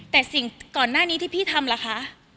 แต่สิ่งก่อนหน้านี้ที่พี่ทำล่ะคะ